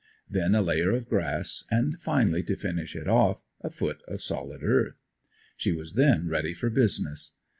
Then a layer of grass and finally, to finish it off, a foot of solid earth. She was then ready for business.